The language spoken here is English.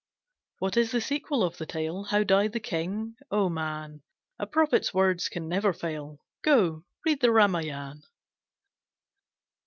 What is the sequel of the tale? How died the king? Oh man, A prophet's words can never fail Go, read the Ramayan.